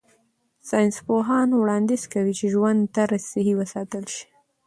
ساینسپوهان وړاندیز کوي چې ژوند طرز صحي وساتل شي.